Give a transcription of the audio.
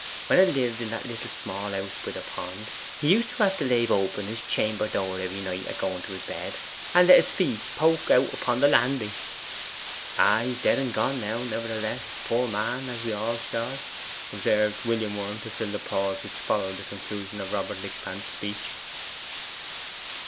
When 'a lived in that little small house by the pond, he used to have to leave open his chamber door every night at going to his bed, and let his feet poke out upon the landing.' 'He's dead and gone now, nevertheless, poor man, as we all shall,' observed Worm, to fill the pause which followed the conclusion of Robert Lickpan's speech.